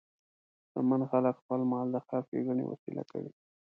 شتمن خلک خپل مال د خیر ښیګڼې وسیله کوي.